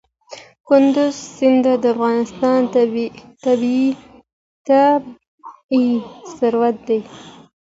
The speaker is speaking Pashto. کندز سیند د افغانستان طبعي ثروت دی.